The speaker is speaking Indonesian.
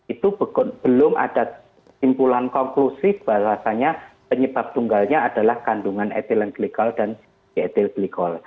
itu belum ada simpulan konklusif bahwasannya penyebab tunggalnya adalah kandungan etilen glikol dan etile glikol